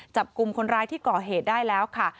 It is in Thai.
จับกลุ่มคนร้ายที่ก่อเหตุได้แล้วค่ะ